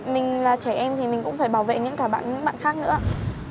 mình là trẻ em thì mình cũng phải bảo vệ những bạn khác nữa ạ